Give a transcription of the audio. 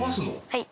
はい。